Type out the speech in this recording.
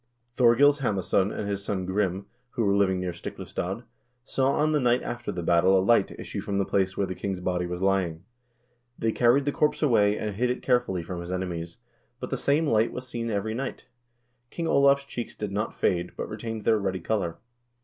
Thorgils Halm NORWAY UNDER DANISH OVERLORDSHIP 267 ason and his son Grim, who were living near Stiklestad, saw on the night after the battle a light issue from the place where the king's body was lying. They carried the corpse away, and hid it care fully from his enemies, but the same light was seen every night. King Olav's cheeks did not fade, but retained their ruddy color.